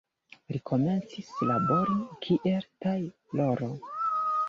Li rekomencis labori kiel tajloro.